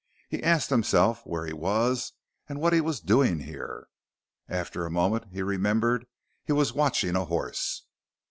He asked himself where he was and what he was doing here. After a moment, he remembered he was watching a horse.